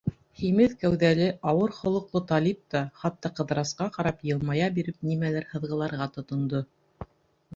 Һимеҙ кәүҙәле, ауыр холоҡло Талип та, хатта Ҡыҙырасҡа ҡарап йылмая биреп, нимәлер һыҙғыларға тотондо.